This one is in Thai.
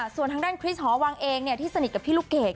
ส่วนทางด้านคริสหอวังเองที่สนิทกับพี่ลูกเกด